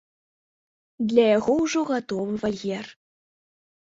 Для яго ўжо гатовы вальер.